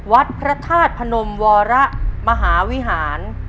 วัดพระธาตุพนมวรมหาวิหาร